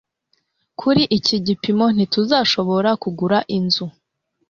Kuri iki gipimo, ntituzashobora kugura inzu.